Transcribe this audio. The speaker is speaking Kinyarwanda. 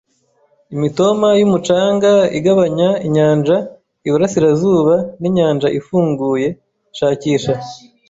imitoma yumucanga igabanya inyanja iburasirazuba ninyanja ifunguye, shakisha